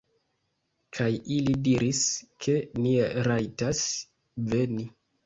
kaj ili diris, ke ni rajtas veni